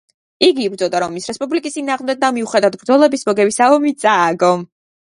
იგი იბრძოდა რომის რესპუბლიკის წინააღმდეგ და მიუხედავად ბრძოლების მოგებისა, ომი წააგო.